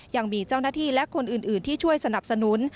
ยังมีเจ้าหน้าที่และคนอื่นที่ช่วยสนับสนุน